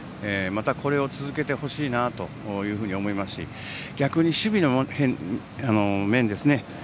また、これを続けてほしいなと思いますし逆に守備の面ですね。